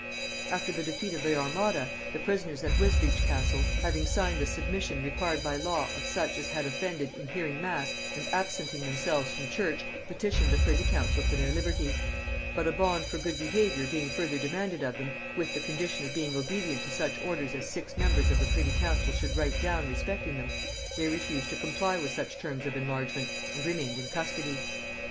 After the defeat of the Armada, the prisoners at Wisbeach castle, having signed the submission required by law of such as had offended in hearing mass and absenting themselves from church, petitioned the privy council for their liberty; but a bond for good behaviour being further demanded of them, with the condition of being obedient to such orders as six members of the privy council should write down respecting them, they refused to comply with such terms of enlargement, and remained in custody.